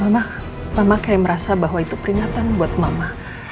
mama kayak merasa bahwa itu peringatan buat mama